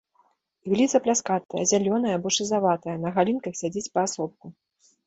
Ігліца пляскатая, зялёная або шызаватая, на галінках сядзіць паасобку.